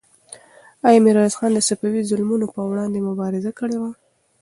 آیا میرویس خان د صفوي ظلمونو پر وړاندې مبارزه کړې وه؟